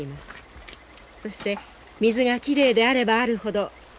そして水がきれいであればあるほど種類も豊富です。